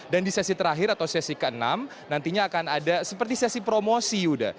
dan di sesi terakhir atau sesi ke enam nantinya akan ada seperti sesi promosi yuda